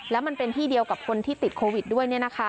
แล้วมันเป็นที่เดียวกับคนที่ติดโควิดด้วย